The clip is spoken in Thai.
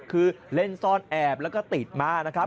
คือเล่นซ่อนแอบแล้วก็ติดมานะครับ